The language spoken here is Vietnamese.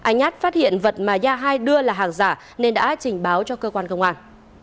anh nhát phát hiện vật mà ya hai đưa là hàng giả nên đã trình báo cho cơ quan công an